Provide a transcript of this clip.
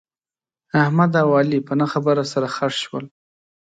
احمد او علي په نه خبره سره خښ شول.